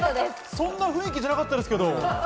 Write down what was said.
そんな雰囲気じゃなかったですけど。